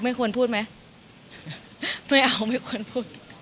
ควรพูดไหมไม่เอาไม่ควรพูด